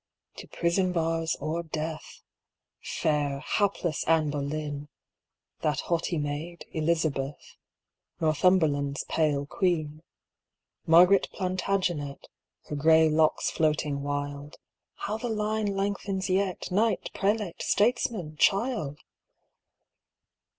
To prison bars or death ! Fair, hapless Anne Boleyn ; That haughty maid, Elizabeth ; Northumberland's pale queen ; Margaret Plantagenet, Her gray locks floating wild — How the line lengthens yet. Knight, prelate, statesman, child